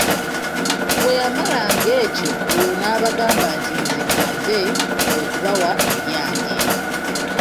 Bweyamalanga ekyo olwo nabagamba nti nze mmaze okubawa ebyange.